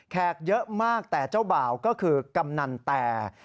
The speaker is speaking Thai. แขกเยอะมากแต่เจ้าบ่าวก็คือกำนันแต่